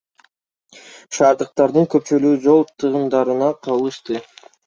Шаардыктардын көпчүлүгү жол тыгындарына кабылышты.